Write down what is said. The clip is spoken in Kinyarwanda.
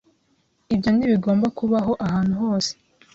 Ibyo ntibigomba kubaho ahantu hose.